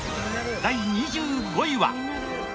第２５位は。